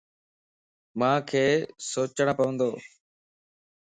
مانک سوچڻ پوندو